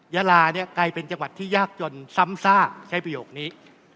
ยาลาเนี่ยกลายเป็นจังหวัดที่ยากจนซ้ำซากใช้ประโยคนี้